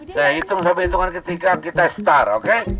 saya hitung soal hitungan ketiga kita start oke